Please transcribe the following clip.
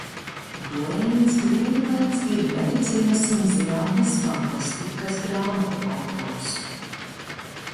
Dueins Greivlins ir medicīnas un zinātniskās fantastikas grāmatu autors.